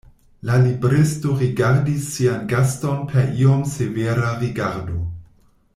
La libristo rigardis sian gaston per iom severa rigardo.